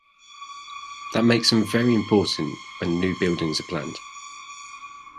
That makes them very important when new buildings are planned.